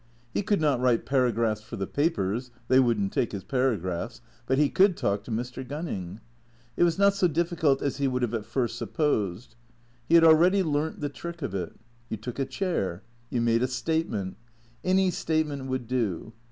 He could not write paragraphs for the papers (they would n't take his paragraphs), but he could talk to Mr. Gunning. It was not so difficult as he would have at first supposed. He had already learnt the trick of it. You took a chair. You made a statement. Any statement would do.